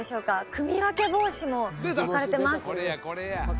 組分け帽子も置かれてます